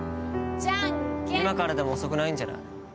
今からでも遅くないんじゃない？